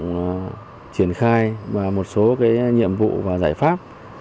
chúng tôi đã chủ động triển khai và một số cái nhiệm vụ và giải pháp